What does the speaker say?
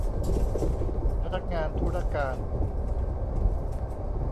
พนักงานธุรการ